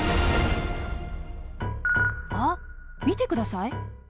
あっ見て下さい。